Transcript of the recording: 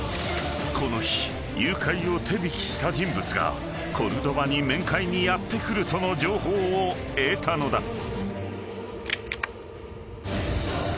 ［この日誘拐を手引きした人物がコルドバに面会にやって来るとの情報を得たのだ］